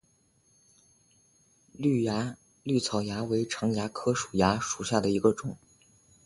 葎草蚜为常蚜科蚜属下的一个种。